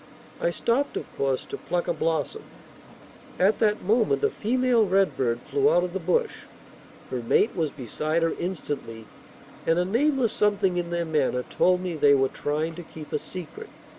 I stopped, of course, to pluck a blossom. At that moment a female redbird flew out of the bush. Her mate was beside her instantly, and a nameless something in their manner told me they were trying to keep a secret.